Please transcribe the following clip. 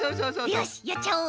よしやっちゃおう。